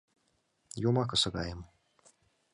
Йомакысе гайым.